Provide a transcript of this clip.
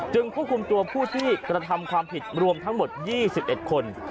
ควบคุมตัวผู้ที่กระทำความผิดรวมทั้งหมด๒๑คน